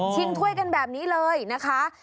ถ้วยกันแบบนี้เลยนะคะ